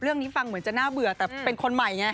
เรื่องนี้ฟังเหมือนจะน่าเบื่อแต่เป็นคนใหม่ไง